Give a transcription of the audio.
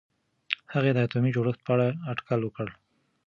هغې د اتومي جوړښت په اړه اټکل وکړ.